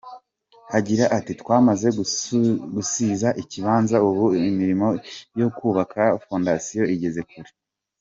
Agira ati “Twamaze gusiza ikibanza, ubu imirimo yo kubaka fondasiyo igeze kure.